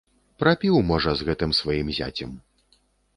Прапіў, можа, з гэтым сваім зяцем.